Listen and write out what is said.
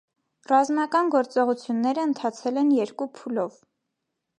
Ռազմական գործողությունները ընթացել են երկու փուլով։